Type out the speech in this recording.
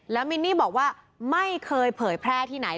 แล้วมินนี่บอกว่าไม่เคยเผยแพร่ที่ไหน